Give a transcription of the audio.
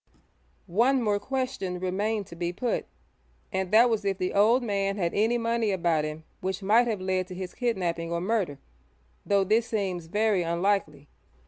One more question remained to be put, and that was if the old man had any money about him which might have led to his kidnapping or murder, though this seems very unlikely.